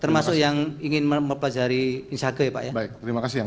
termasuk yang ingin mempelajari isage ya pak ya